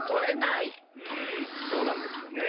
うんそうなんですよね。